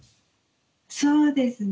そうですね。